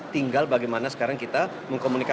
tinggal bagaimana sekarang kita mengkomunikasikan